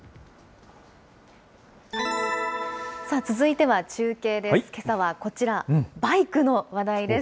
さあ、続いては中継です。